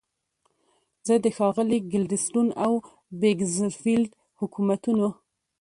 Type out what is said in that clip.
زه د ښاغلي ګلیډستون او بیکنزفیلډ حکومتونو.